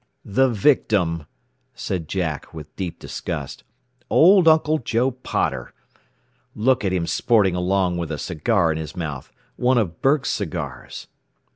"The victim!" said Jack with deep disgust. "Old Uncle Joe Potter. "Look at him sporting along with a cigar in his mouth one of Burke's cigars!"